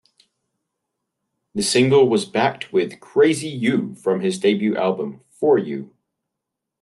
The single was backed with "Crazy You", from his debut album, "For You".